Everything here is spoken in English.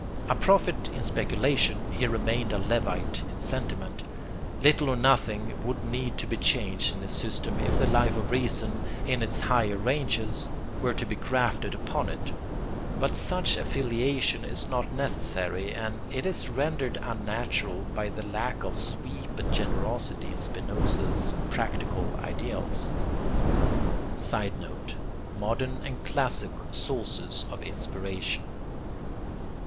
A prophet in speculation, he remained a levite in sentiment. Little or nothing would need to be changed in his system if the Life of Reason, in its higher ranges, were to be grafted upon it; but such affiliation is not necessary, and it is rendered unnatural by the lack of sweep and generosity in Spinoza's practical ideals. [Sidenote: Modern and classic sources of inspiration.